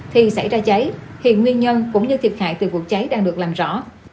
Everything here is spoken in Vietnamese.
thì xảy ra cháy hiện nguyên nhân cũng như thiệp hại từ cuộc cháy đang được làm rõ